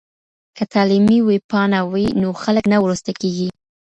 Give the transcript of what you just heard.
که تعلیمي ویبپاڼه وي نو خلګ نه وروسته کیږي.